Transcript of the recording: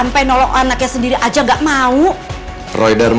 bukannya kund cardiovascular